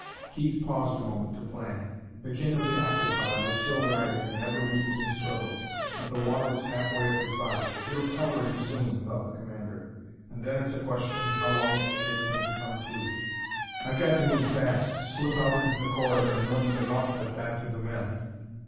Keith paused a moment to plan. The king of the octopi was still writhing in ever weakening struggles, but the water was halfway up his body. "It'll cover him soon," thought the commander, "and then it's a question how long it'll take him to come to. I've got to move fast slip out into the corridor and run the gauntlet back to the men."